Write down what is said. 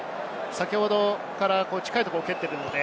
先ほどから近いところに蹴っているので。